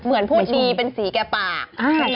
เหมือนพูดดีเป็นสีแก่ปาก